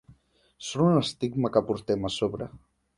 Són un estigma que portem a sobre